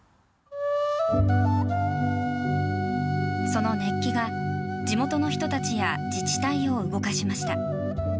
その熱気が地元の人たちや自治体を動かしました。